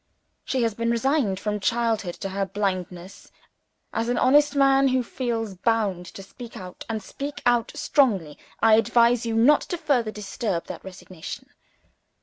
She has been resigned from childhood to her blindness. As an honest man, who feels bound to speak out and to speak strongly, I advise you not further to disturb that resignation.